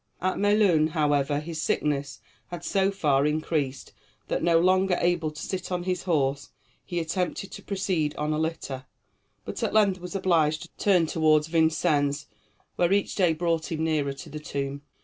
At Melun, however, his sickness had so far increased, that, no longer able to sit on his horse, he attempted to proceed on a litter, but at length was obliged to turn toward Vincennes, where each day brought him nearer to the tomb.